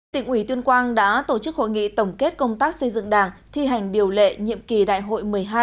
tỉnh ủy tuyên quang đã tổ chức hội nghị tổng kết công tác xây dựng đảng thi hành điều lệ nhiệm kỳ đại hội một mươi hai